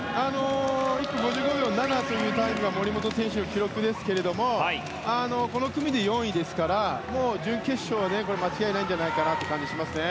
１分５５秒７というタイムが森本選手の記録ですけどこの組で４位ですからもう準決勝は間違いない感じがしますね。